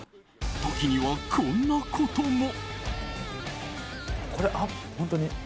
時には、こんなことも。